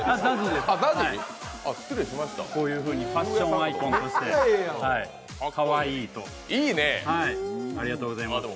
ＺＡＺＹです、こういうふうにファッションアイテムとしてかわいいと。